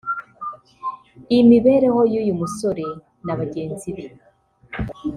Imibereho y’uyu musore na bagenzi be